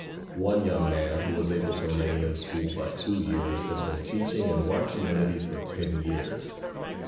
One young man, who was able to remain in school but two years, has been teaching in one community for ten years.